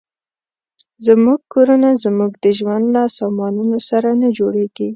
زموږ کورونه زموږ د ژوند له سامانونو سره نه جوړېږي.